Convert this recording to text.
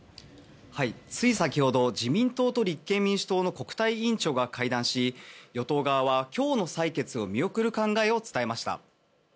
つい先ほど自民党と立憲民主党の国対委員長が会談し与党側は今日の採決を見送る考えを伝えました。